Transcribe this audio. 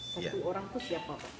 satu orang itu siapa pak